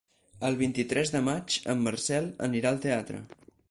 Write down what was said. El vint-i-tres de maig en Marcel anirà al teatre.